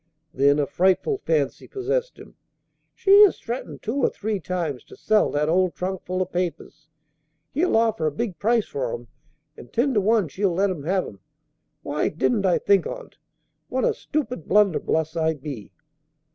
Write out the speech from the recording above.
Then a frightful fancy possessed him. "She has threatened two or three times to sell that old trunkful of papers. He'll offer a big price for 'em, and ten to one she'll let him have 'em. Why didn't I think on't? What a stupid blunderbuss I be!"